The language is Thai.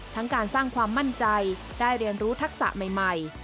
ทั้งการสร้างความมั่นใจได้เรียนรู้ทักษะใหม่